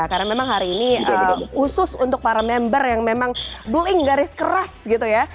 karena memang hari ini usus untuk para member yang memang bling garis keras gitu ya